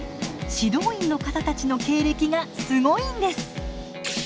指導員の方たちの経歴がすごいんです。